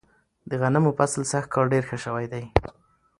د غنمو فصل سږ کال ډیر ښه شوی دی.